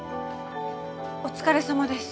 お疲れさまです。